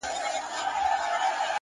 پوهه د انسان لید پراخوي.